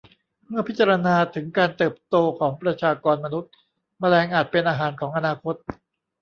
เมื่อพิจารณาถึงการเติบโตของประชากรมนุษย์แมลงอาจเป็นอาหารของอนาคต